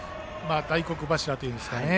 大黒柱というんですかね。